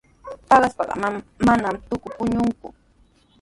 Paqaspaqa manami tuku puñunku.